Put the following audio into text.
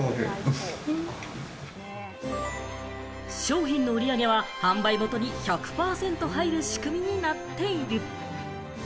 商品の売り上げは販売元に１００％入る仕組みになっている。